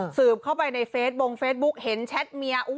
เข้าไปในเฟซบงเฟซบุ๊กเห็นแชทเมีย